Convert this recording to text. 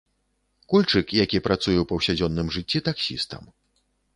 Кульчык, які працуе ў паўсядзённым жыцці таксістам.